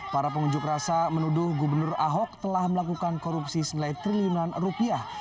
para pengunjuk rasa menuduh gubernur ahok telah melakukan korupsi senilai triliunan rupiah